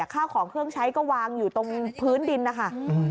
ข้าวของเครื่องใช้ก็วางอยู่ตรงพื้นดินนะคะ